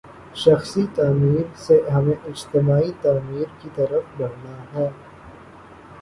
شخصی تعمیر سے ہمیں اجتماعی تعمیر کی طرف بڑھنا ہے۔